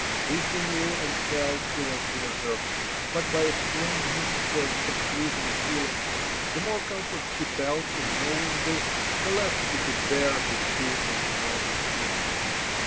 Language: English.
Lucy knew and felt he was near her ; but, by a strange mixtun and conftwon of feelmga, the more comfort she felt ia kaowing ihis, the less she could bear to see and notice him.